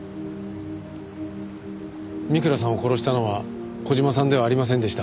三倉さんを殺したのは小島さんではありませんでした。